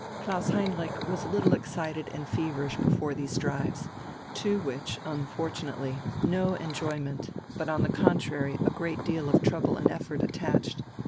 Klaus Heinrich was a little excited and feverish before these drives, to which unfortunately no enjoyment, but on the contrary a great deal of trouble and effort attached.